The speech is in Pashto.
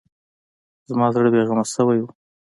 زما زړه بې غمه شوی و.